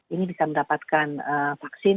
ini bisa mendapatkan vaksin